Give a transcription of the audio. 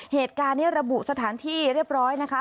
เหตุการณ์นี้ระบุสถานที่เรียบร้อยนะคะ